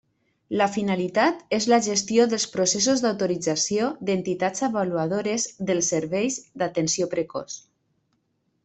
La finalitat és la gestió dels processos d'autorització d'entitats avaluadores dels serveis d'atenció precoç.